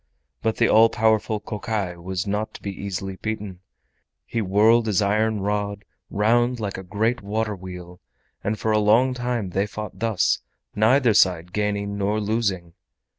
But the all powerful Kokai was not to be easily beaten—he whirled his iron rod round like a great water wheel, and for a long time they fought thus, neither side gaining nor losing.